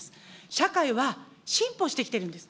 社会は進歩してきてるんです。